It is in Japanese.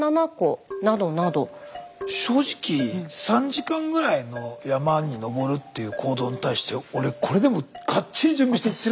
正直３時間ぐらいの山に登るっていう行動に対して俺これでもガッチリ準備して行ってるんだなっていう印象。